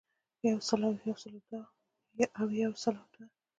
يو سل او يو يو سل او دوه